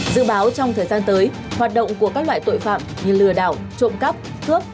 dự báo trong thời gian tới hoạt động của các loại tội phạm như lừa đảo trộm cắp cướp